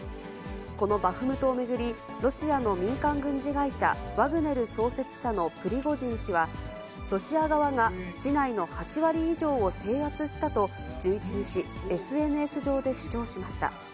このバフムトを巡り、ロシアの民間軍事会社、ワグネル創設者のプリゴジン氏は、ロシア側が市内の８割以上を制圧したと、１１日、ＳＮＳ上で主張しました。